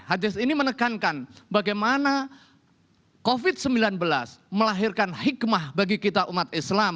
hadis ini menekankan bagaimana covid sembilan belas melahirkan hikmah bagi kita umat islam